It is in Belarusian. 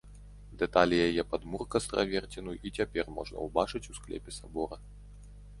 Дэталі яе падмурка з траверціну і цяпер можна ўбачыць у склепе сабора.